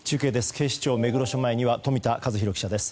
警視庁目黒署前には冨田和裕記者です。